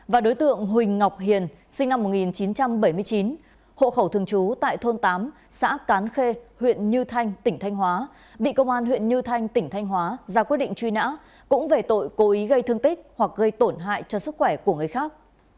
và đối tượng huỳnh ngọc hiền sinh năm một nghìn chín trăm bảy mươi chín hộ khẩu thường trú tại thôn tám xã cán khê huyện như thanh tỉnh thanh hóa bị công an huyện như thanh tỉnh thanh hóa ra quyết định truy nã cũng về tội cố ý gây thương tích hoặc gây tổn hại cho sức khỏe của người khác